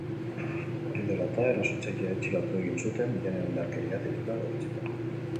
Hori dela eta, erasotzailea atxilotu egin zuten, genero indarkeria delitua egotzita.